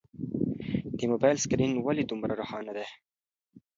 د موبایل سکرین ولې دومره روښانه دی؟